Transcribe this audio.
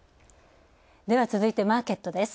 続いて、マーケットです。